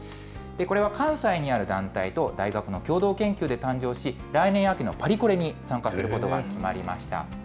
これは関西にある団体と、大学の共同研究で誕生し、来年秋のパリコレに参加することが決まりました。